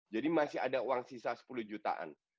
jadi masih ada uang sisa sepuluh jutaan